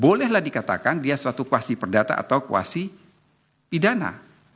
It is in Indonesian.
bolehlah dikatakan dia suatu kuasi perdata atau kuasi pidana